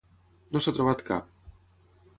No s'ha trobat cap.